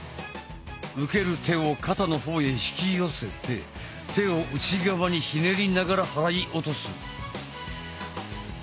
受ける手を肩の方へ引き寄せて手を内側にひねりながら払い落とす！